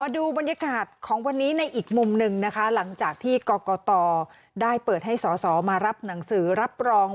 ดูบรรยากาศของวันนี้ในอีกมุมหนึ่งนะคะหลังจากที่กรกตได้เปิดให้สอสอมารับหนังสือรับรอง